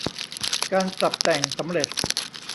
การปรับแต่งสำเร็จ